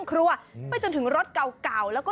คุณดูครับครับ